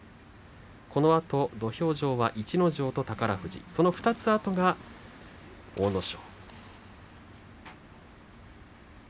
このあと土俵上は逸ノ城と宝富士その２つあとが阿武咲。